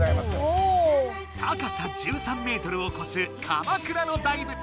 高さ１３メートルをこす鎌倉の大仏。